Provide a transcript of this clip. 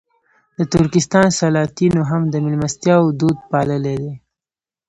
د ترکستان سلاطینو هم د مېلمستیاوو دود پاللی دی.